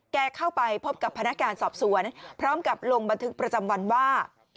เข้าไปพบกับพนักงานสอบสวนพร้อมกับลงบันทึกประจำวันว่า